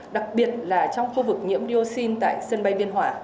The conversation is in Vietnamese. đặc biệt là trong khu vực nhiễm dioxin tại sân bay biên hòa